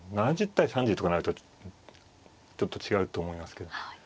７０対３０とかなるとちょっと違うと思いますけど。